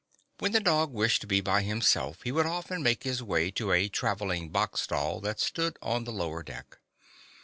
When the dog wished to be by him self, he would often make his way to a traveling box stall that stood on the lower deck.